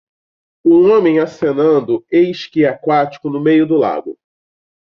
Um homem acenando e esqui aquático no meio de um lago.